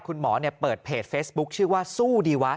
คุณหมอเปิดเพจเฟซบุ๊คชื่อว่าสู้ดีวะ